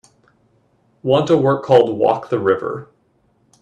Want a work called Walk the River